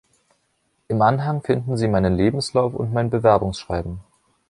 Im Anhang finden Sie meinen Lebenslauf und mein Bewerbungsschreiben.